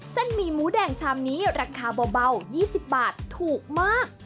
หมี่หมูแดงชามนี้ราคาเบา๒๐บาทถูกมาก